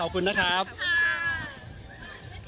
ขอบคุณนะครับขอบคุณค่ะ